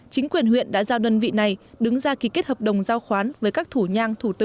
chính quyền huyện đã giao đơn vị này đứng ra ký kết hợp đồng giao khoán với các thủ nhang thủ tư